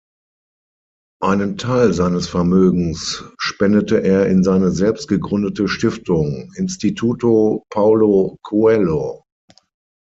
Einen Teil seines Vermögens spendete er in seine selbst gegründete Stiftung „Instituto Paulo Coelho“.